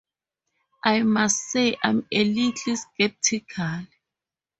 I must say I'm a little sceptical.